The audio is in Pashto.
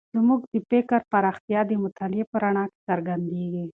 زموږ د فکر پراختیا د مطالعې په رڼا کې څرګندېږي.